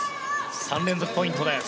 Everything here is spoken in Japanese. ３連続ポイントです。